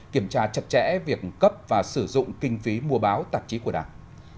kiểm tra chặt chẽ việc cấp và sử dụng kinh phí mua báo tạp chí của đảng